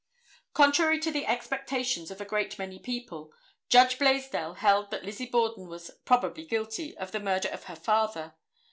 Contrary to the expectations of a great many people, Judge Blaisdell held that Lizzie Borden was "probably guilty" of the murder of her father.